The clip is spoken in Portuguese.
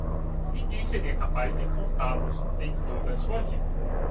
Ninguém seria capaz de contá-los em toda a sua vida.